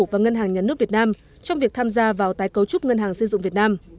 và ngân hàng nhà nước việt nam trong việc tham gia vào tái cấu trúc ngân hàng xây dựng việt nam